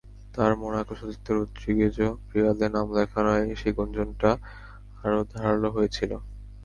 তাঁর মোনাকো সতীর্থ রদ্রিগেজও রিয়ালে নাম লেখানোয় সেই গুঞ্জনটা আরও জোরালো হয়েছিল।